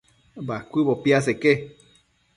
Bacuëbo piaseque